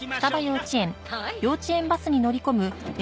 はい。